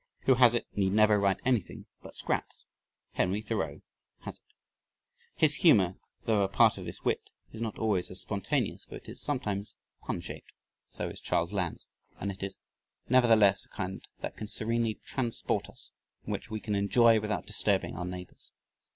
Who has it need never write anything but scraps. Henry Thoreau has it." His humor though a part of this wit is not always as spontaneous, for it is sometimes pun shape (so is Charles Lamb's) but it is nevertheless a kind that can serenely transport us and which we can enjoy without disturbing our neighbors.